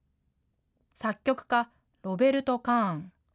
作曲家、ロベルト・カーン。